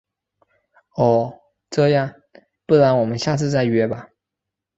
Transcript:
哦……这样，不然我们下次再约吧。